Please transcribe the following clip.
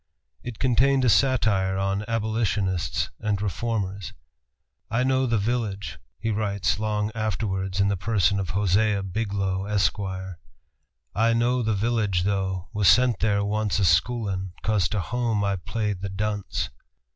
It contained a satire on abolitionists and reformers. "I know the village," he writes long afterwards in the person of Hosea Biglow, Esquire. "I know the village though, was sent there once A schoolin', 'cause to home I played the dunce!"